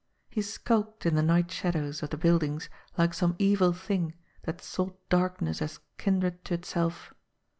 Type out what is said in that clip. He skulked in the night shadows of the buildings like some evil thing that sought darkness as kindred to itself.